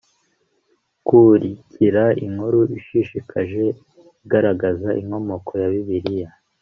Kurikira inkuru ishishikaje igaragaza inkomoko ya Bibiliya